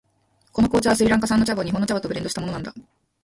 この紅茶はスリランカ産の茶葉を日本の茶葉とブレンドしたものなんだ。